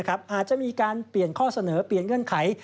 อาจจะมีการเปลี่ยนข้อเสนอเปลี่ยนเงื่อนไข